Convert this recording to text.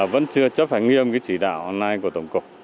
vẫn chưa chấp hành nghiêm cái chỉ đạo hôm nay của tổng cục